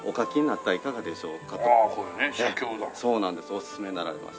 おすすめになられました。